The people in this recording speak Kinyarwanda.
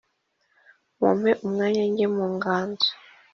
mumpe umwanya nge mu ngazo,